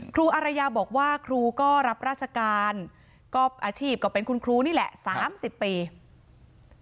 อารยาบอกว่าครูก็รับราชการก็อาชีพก็เป็นคุณครูนี่แหละ๓๐ปี